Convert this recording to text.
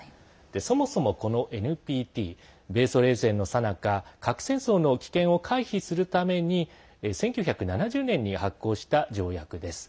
そもそも、このＮＰＴ米ソ冷戦のさなか核戦争の危険を回避するために１９７０年に発効した条約です。